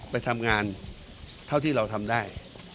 ไปทำงานเท่าที่เราทำได้